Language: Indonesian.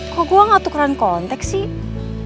kok gue gak tukeran kontak sih